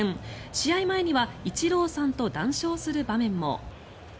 試合前にはイチローさんと談笑する場面も。